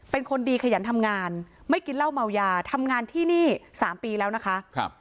เป็นคนดีขยันทำงานไม่กินเหล้าเมายาทำงานที่นี่๓ปีแล้วนะคะ